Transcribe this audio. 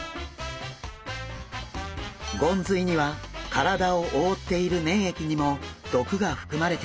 ゴンズイには体を覆っている粘液にも毒が含まれています。